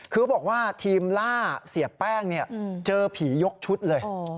คือบอกว่าทีมล่าเสียแป้งเจอผียกชุดเลย